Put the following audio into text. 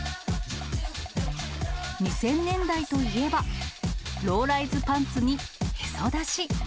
２０００年代といえば、ローライズパンツにへそ出し。